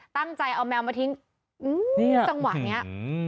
ตั้งใจเอาแมวมาทิ้งจังหวะนี้